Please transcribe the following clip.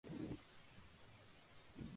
Ese año se fue al Rayo Vallecano.